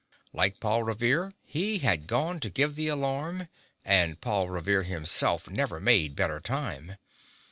Like Paul Revere he had gone to give the alarm, and Paul Revere himself never made better time.